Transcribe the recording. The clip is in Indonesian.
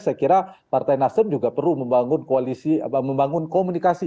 saya kira partai nasdem juga perlu membangun komunikasi